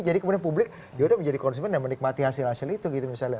jadi kemudian publik yaudah menjadi konsumen dan menikmati hasil hasil itu gitu misalnya